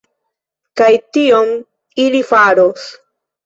Kaj tion ili faros.